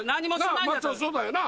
松尾そうだよな？